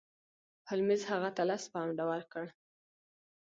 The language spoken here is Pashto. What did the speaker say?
هولمز هغه ته لس پونډه ورکړل.